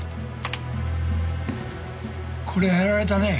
これはやられたね。